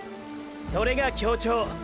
それが“協調”！！